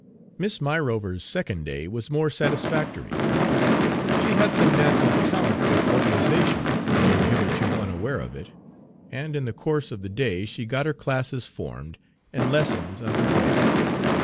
Miss Myrover's second day was more satisfactory. She had some natural talent for organization, though hitherto unaware of it, and in the course of the day she got her classes formed and lessons under way.